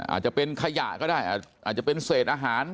อาจจะเป็นขยะก็ได้อาจจะเป็นเศษอาหาร